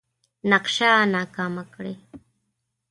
نقشه ناکامه کړي.